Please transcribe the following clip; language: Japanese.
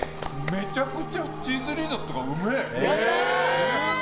めちゃくちゃチーズリゾットがうめえ。